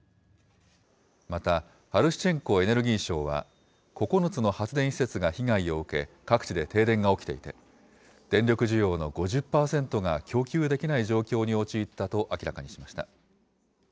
また、ハルシチェンコエネルギー相は、９つの発電施設が被害を受け、各地で停電が起きていて、電力需要の５０％が供給できない状況に陥ったと明らかにしました。